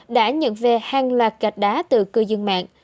đã nhận về hàng loạt gạch đá từ cư dân mạng